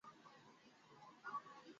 তাকে এখানে দেখেছেন?